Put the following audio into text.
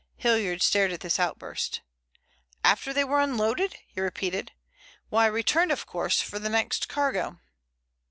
Hilliard stared at this outburst. "After they were unloaded?" he repeated. "Why, returned of course for the next cargo."